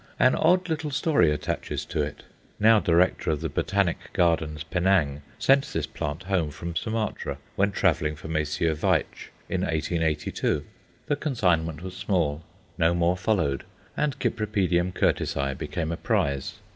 An odd little story attaches to it. Mr. Curtis, now Director of the Botanic Gardens, Penang, sent this plant home from Sumatra when travelling for Messrs. Veitch, in 1882. The consignment was small, no more followed, and Cyp. Curtisi became a prize.